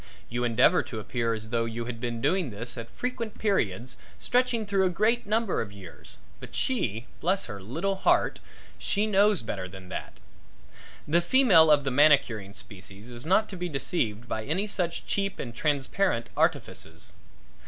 You endeavor to appear as though you had been doing this at frequent periods stretching through a great number of years, but she bless her little heart! she knows better than that. The female of the manicuring species is not to be deceived by any such cheap and transparent artifices.